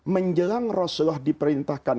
menjelang rasulullah diperintahkan